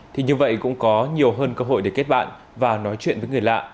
thì như vậy cũng có nhiều hơn cơ hội để kết bạn và nói chuyện với người lạ